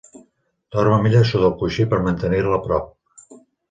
Dorm amb ella sota el coixí per mantenir-la a prop.